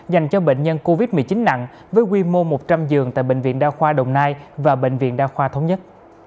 dành cho bệnh nhân covid một mươi chín nặng với quy mô một trăm linh giường tại bệnh viện đa khoa đồng nai và bệnh viện đa khoa thống nhất